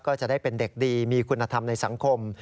ก็จะได้เป็นเด็กดีมีคุณธรรมในสังคม